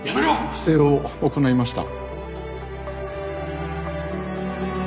不正を行いました。